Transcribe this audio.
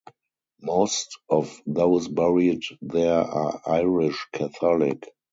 Most of those buried there are Irish Catholic.